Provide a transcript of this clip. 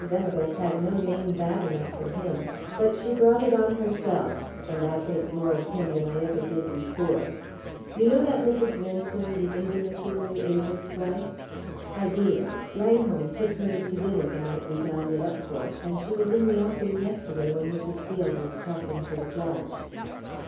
Venables had no name bad enough for him, but she brought it on herself, and I think more of him than I ever did before. You know that Mrs. Vinson, the Invernesses' new agent's wife?" "I do. Langholm took her into dinner the night we dined at Upthorpe, and she was in the offing yesterday when Mrs. Steel was talking to the judge."